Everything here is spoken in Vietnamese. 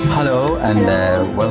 cảm ơn các bạn